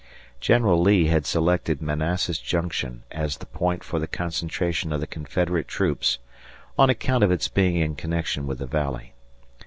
General Lee had selected Manassas Junction as the point for the concentration of the Confederate troops on account of its being in connection with the Valley.